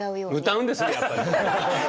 歌うんですねやっぱり。